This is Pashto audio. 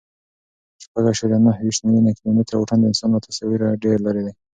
شپږ اعشاریه نهه ویشت میلیونه کیلومتره واټن د انسان له تصوره ډېر لیرې دی.